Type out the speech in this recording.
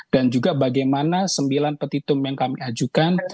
dan juga bagaimana sembilan petitum yang kami ajukan